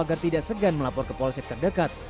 agar tidak segan melapor ke polsek terdekat